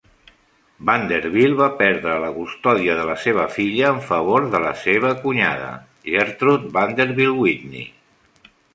Vanderbilt va perdre la custòdia de la seva filla en favor de la seva cunyada, Gertrude Vanderbilt Whitney.